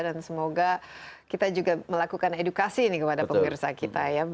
dan semoga kita juga melakukan edukasi ini kepada pengirsa kita ya